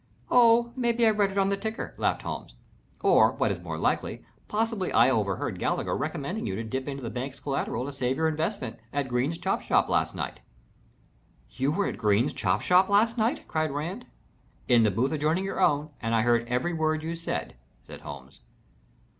"Oh maybe I read it on the ticker," laughed Holmes. "Or, what is more likely, possibly I overheard Gallagher recommending you to dip into the bank's collateral to save your investment, at Green's chop house last night." "You were at Green's chop house last night?" cried Rand. "In the booth adjoining your own, and I heard every word you said," said Holmes.